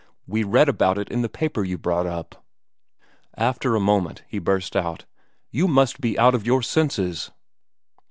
We read about it in the paper you brought up." After a moment he burst out: "You must be out of your senses!"